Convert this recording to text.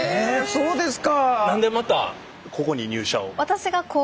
そうですね。